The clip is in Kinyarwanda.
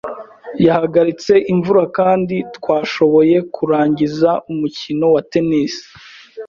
Yahagaritse imvura kandi twashoboye kurangiza umukino wa tennis.